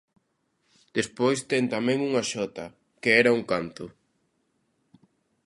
Despois ten tamén unha xota, que era un canto.